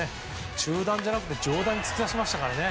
中段じゃなくて上段に突き刺しましたからね。